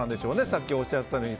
さっきおっしゃったように。